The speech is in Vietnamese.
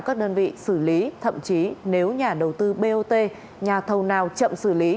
các đơn vị xử lý thậm chí nếu nhà đầu tư bot nhà thầu nào chậm xử lý